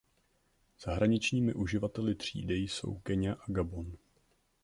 Zahraničními uživateli třídy jsou Keňa a Gabon.